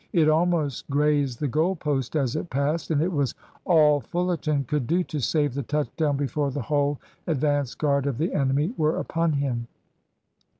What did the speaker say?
It almost grazed the goal post as it passed, and it was all Fullerton could do to save the touch down before the whole advance guard of the enemy were upon him.